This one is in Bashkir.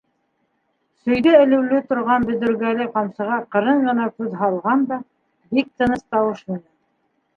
Сөйҙә элеүле торған бөҙөргәле ҡамсыға ҡырын ғына күҙ һалған да, бик тыныс тауыш менән: